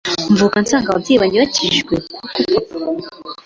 mvuka nsanga ababyeyi banjye bakijijwe kuko papa